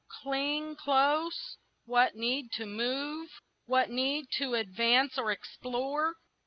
cling close, what need to move, What need to advance or explore?